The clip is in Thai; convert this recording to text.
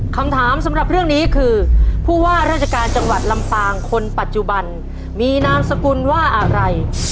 คำถามสำหรับเรื่องนี้คือผู้ว่าราชการจังหวัดลำปางคนปัจจุบันมีนามสกุลว่าอะไร